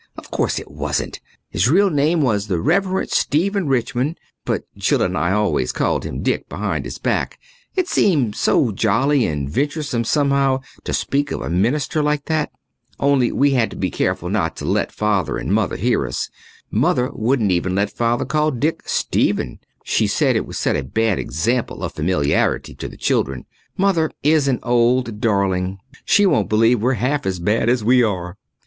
Of course it wasn't. His real name was the Reverend Stephen Richmond, but Jill and I always called him Dick behind his back; it seemed so jolly and venturesome, somehow, to speak of a minister like that. Only we had to be careful not to let Father and Mother hear us. Mother wouldn't even let Father call Dick "Stephen"; she said it would set a bad example of familiarity to the children. Mother is an old darling. She won't believe we're half as bad as we are.